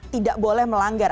tidak boleh melanggar